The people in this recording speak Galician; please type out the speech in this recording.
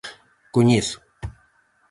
Coñezo.